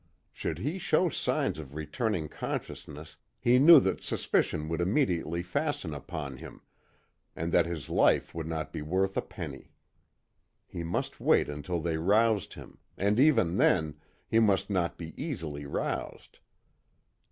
Should he show signs of returning consciousness he knew that suspicion would immediately fasten upon him, and that his life would not be worth a penny. He must wait until they roused him, and even then, he must not be easily roused.